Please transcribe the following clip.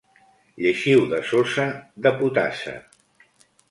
Lleixiu de sosa, de potassa.